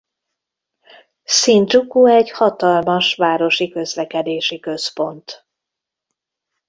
Sindzsuku egy hatalmas városi közlekedési központ.